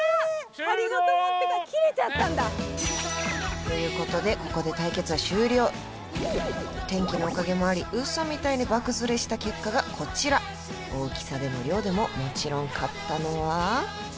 針ごと切れちゃったんだということでここで対決は終了天気のおかげもあり嘘みたいに爆釣れした結果がこちら大きさでも量でももちろん勝ったのは？